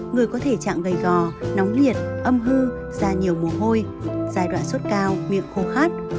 người có thể chạm gầy gò nóng liệt âm hư da nhiều mồ hôi giai đoạn sốt cao miệng khô khát